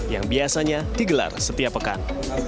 yang biasanya digelar setiap pekan